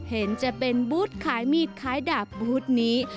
เห็นจะเป็นบูธขายมีดขายดาบบูธนี้